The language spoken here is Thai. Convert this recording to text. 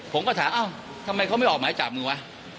ผมก็ถามเอ้าทำไมเขาไม่ออกหมายจับมึงวะ